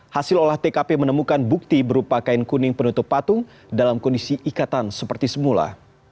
hasil olah tkp menemukan bukti berupa kain kuning penutup patung dalam kondisi ikatan seperti semula